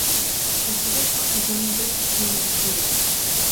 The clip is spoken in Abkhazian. Сасрыҟәа аџьам дыҵахҩаны дгылоуп.